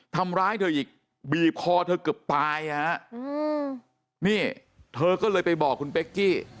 ทำร้ายเธออีกบีบคอเธอเกือบตายฮะนี่เธอก็เลยไปบอกคุณเป๊กกี้